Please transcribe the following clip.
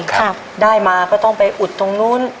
ข้ายได้มาต้องไปอุดตรงนู้น